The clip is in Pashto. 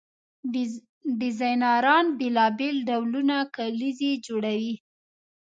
ډیزاینران بیلابیل ډولونه کلیزې جوړوي.